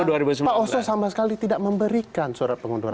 pak oso sama sekali tidak memberikan surat pengunduran